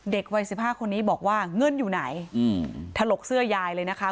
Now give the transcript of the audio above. วัย๑๕คนนี้บอกว่าเงินอยู่ไหนถลกเสื้อยายเลยนะคะ